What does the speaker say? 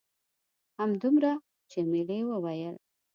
همدومره؟ جميلې وويل:.